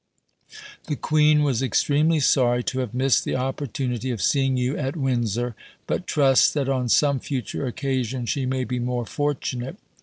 The Queen was extremely sorry to have missed the opportunity of seeing you at Windsor, but trusts that on some future occasion she may be more fortunate.